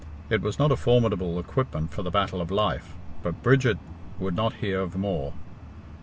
It was not a formidable equipment for the battle of life, but Bridget would not hear of more.